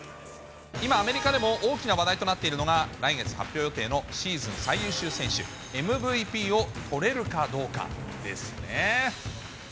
今、アメリカでも大きな話題となっているのが、来月発表予定のシーズン最優秀選手・ＭＶＰを取れるかどうかですね。